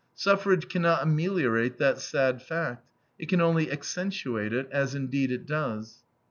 Suffrage can not ameliorate that sad fact; it can only accentuate it, as indeed it does.